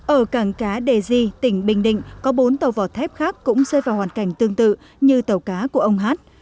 ở cảng cá đề di tỉnh bình định có bốn tàu vỏ thép khác cũng rơi vào hoàn cảnh tương tự như tàu cá của ông hát